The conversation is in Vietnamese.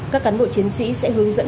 các cán bộ chiến sĩ sẽ hướng dẫn